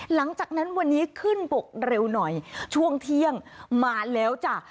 หลังจากนั้นวันนี้ขึ้นบกเร็วหน่อยช่วงเที่ยงมาแล้วจ้ะ